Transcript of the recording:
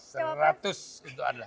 seratus itu adalah